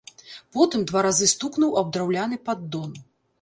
Потым два разы стукнуў аб драўляны паддон.